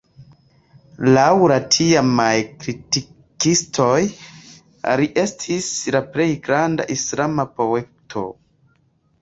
Laŭ la tiamaj kritikistoj li estis la plej granda islama poeto.